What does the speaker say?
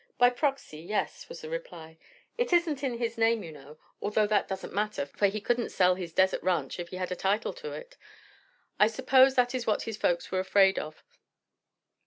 "By proxy, yes," was the reply. "It isn't in his name, you know, although that doesn't matter, for he couldn't sell his desert ranch if he had a title to it. I suppose that is what his folks were afraid of.